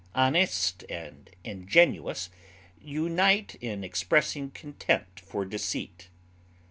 Honest and ingenuous unite in expressing contempt for deceit.